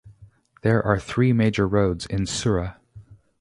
There are three major roads in Surra.